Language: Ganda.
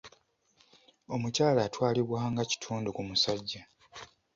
Omukyala atwalibwa nga kitundu ku musajja